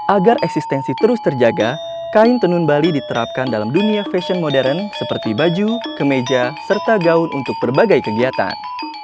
agar eksistensi terus terjaga kain tenun bali diterapkan dalam dunia fashion modern seperti baju kemeja serta gaun untuk berbagai kegiatan